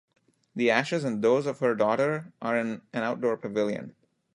The ashes and those of her daughter are in an outdoor pavilion.